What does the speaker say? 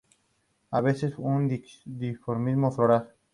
A veces hay dimorfismo floral.